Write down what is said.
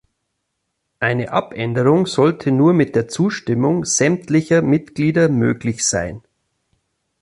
Eine Abänderung sollte nur mit der Zustimmung sämtlicher Mitglieder möglich sein.